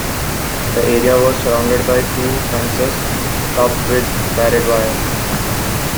The area was surrounded by two fences, topped with barbed wire.